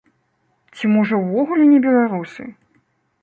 Ці, можа, увогуле не беларусы?